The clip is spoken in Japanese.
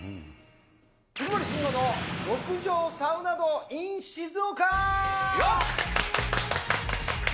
藤森慎吾の極上サウナ道ｉｎ静岡。